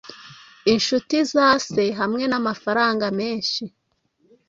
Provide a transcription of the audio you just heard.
Inshuti za sehamwe namafaranga menshi